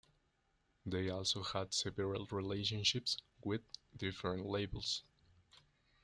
They also had several relationships with different labels.